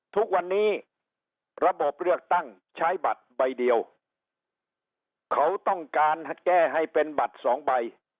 ทุกวันนี้ระบบเลือกตั้งใช้บัตรใบเดียวเขาต้องการแก้ให้เป็นบัตรสองใบ